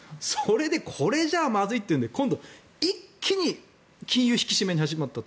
これじゃまずいというので一気に金融引き締めが始まったと。